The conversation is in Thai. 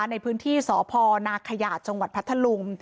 ในพื้นที่สพนาขยาจพัทธลุง